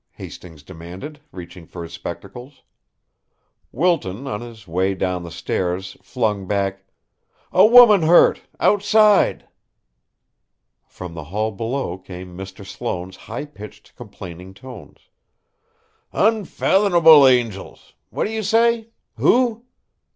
Hastings demanded, reaching for his spectacles. Wilton, on his way down the stairs, flung back: "A woman hurt outside." From the hall below came Mr. Sloane's high pitched, complaining tones: "Unfathomable angels! What do you say? Who?"